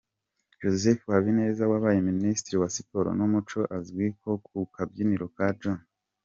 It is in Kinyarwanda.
Joseph Habineza wabaye Minisitiri wa Siporo n’Umuco azwi ku kabyiniriro ka “Joe”.